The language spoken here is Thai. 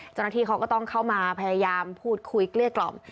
เจ้าหน้าที่เขาก็ต้องเข้ามาพยายามพูดคุยเกลี้ยกล่อม